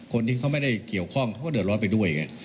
คนที่ไม่ได้เกี่ยวข้องก็ก็เดือกรอดไปด้วย